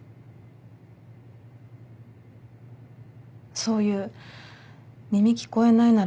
そういう耳聞こえないなら